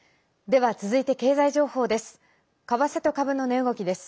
では、続いて経済情報です。